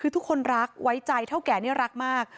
คือทุกคนรักไว้ใจเท่าแก่นี่รักมาก